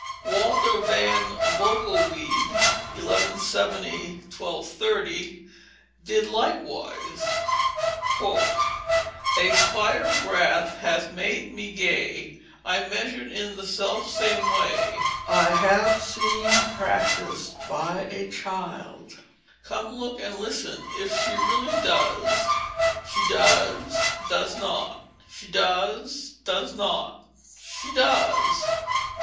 Walther von der Vogelweide (1170 1230) did likewise: "A spire of grass hath made me gay I measured in the self same way I have seen practised by a child. Come, look, and listen if she really does, She does, does not, she does, does not, she does."